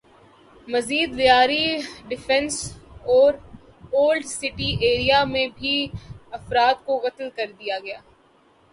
مزید لیاری ڈیفنس اور old city area میں بھی افراد کو قتل کر دیا گیا